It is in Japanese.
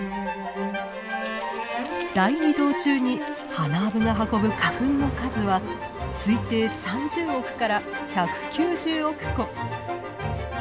大移動中にハナアブが運ぶ花粉の数は推定３０億から１９０億個。